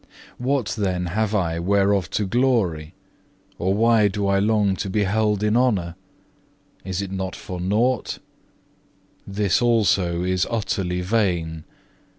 What then have I whereof to glory, or why do I long to be held in honour? Is it not for nought? This also is utterly vain.